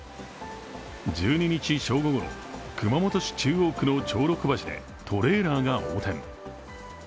１２日正午ごろ、熊本市中央区の長六橋でトレーラーが横転。